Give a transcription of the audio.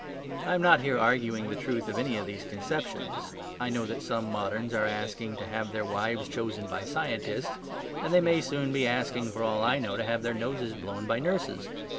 I am not here arguing the truth of any of these conceptions; I know that some moderns are asking to have their wives chosen by scientists, and they may soon be asking, for all I know, to have their noses blown by nurses.